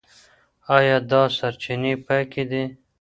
ايا دا سرچينې پاکي دي؟